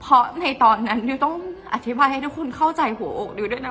เพราะในตอนนั้นดิวต้องอธิบายให้ทุกคนเข้าใจหัวอกดิวด้วยนะ